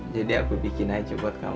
jadi aku bikin aja buat kamu